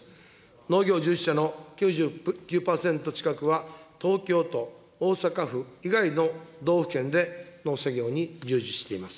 農業従事者の９９％近くは東京都、大阪府以外の道府県で農作業に従事しています。